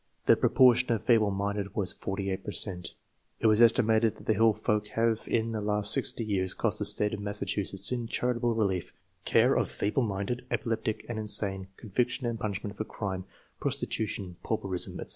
The proportion of feeble minded was 48 per cent. It was esti mated that the Hill Folk have in the lust sixty years cost the State of Massachusetts, in charitable relief, care of feeble minded, epileptic, and insane, conviction and punishment for crime, pros titution, pauperism, etc.